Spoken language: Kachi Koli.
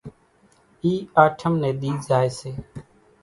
اِي آٺم ني ۮي زائي سي،